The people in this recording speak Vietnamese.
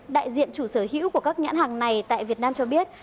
đại diện chủ sở hữu của các nhãn hàng này tại việt nam cho biết